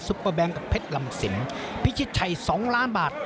เปอร์แบงค์กับเพชรลำสินพิชิตชัย๒ล้านบาท